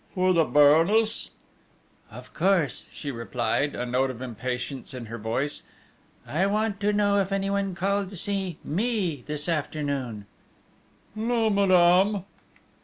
"For the Baroness?" "Of course!" she replied, a note of impatience in her voice: "I want to know if anyone called to see me this afternoon?" "No, madame."